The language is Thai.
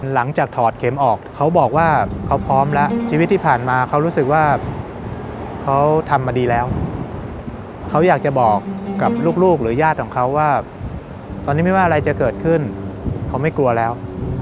ถอดเข็มออกเขาบอกว่าเขาพร้อมแล้วชีวิตที่ผ่านมาเขารู้สึกว่าเขาทำมาดีแล้วเขาอยากจะบอกกับลูกหรือญาติของเขาว่าตอนนี้ไม่ว่าอะไรจะเกิดขึ้นเขาไม่กลัวแล้ว